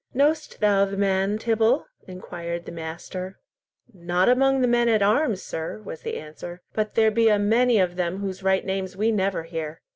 "Know'st thou the man, Tibble?" inquired the master. "Not among the men at arms, sir," was the answer; "but there be a many of them whose right names we never hear.